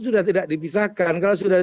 sudah tidak dipisahkan